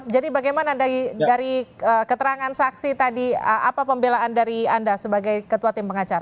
jadi bagaimana dari keterangan saksi tadi apa pembelaan dari anda sebagai ketua tim pengacara